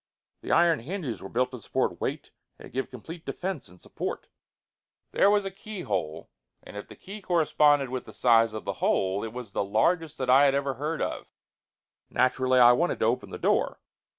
The iron hinges were built to support weight and give complete defense and support. There was a keyhole, and if the key corresponded with the size of the hole, it was the largest that I had ever heard of. Naturally, I wanted to open the door.